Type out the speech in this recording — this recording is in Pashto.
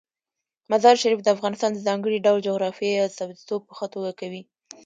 مزارشریف د افغانستان د ځانګړي ډول جغرافیې استازیتوب په ښه توګه کوي.